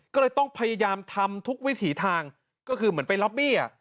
ก็เลยต้องพยายามทำทุกวิถีทางก็คือเหมือนไปล็อบบี้